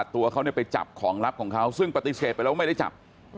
ตัวเขาไปจับของลับของเขาซึ่งปฏิเสธไปแล้วว่าไม่ได้จับ